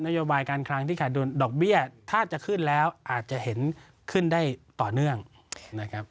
โยบายการคลังที่ขาดดุลดอกเบี้ยถ้าจะขึ้นแล้วอาจจะเห็นขึ้นได้ต่อเนื่องนะครับ